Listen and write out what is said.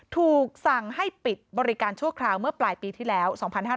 ถูกสั่งให้ปิดบริการชั่วคราวเมื่อปลายปีที่แล้ว๒๕๕๙